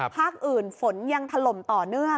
ภาคอื่นฝนยังถล่มต่อเนื่อง